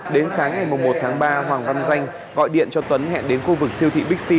đến sáng ngày một tháng ba hoàng văn danh gọi điện cho tuấn hẹn đến khu vực siêu thị bixi